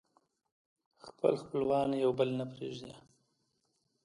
خپل خپلوان يو بل نه پرېږدي